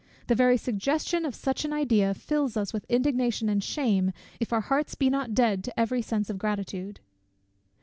The very suggestion of such an idea fills us with indignation and shame, if our hearts be not dead to every sense of gratitude.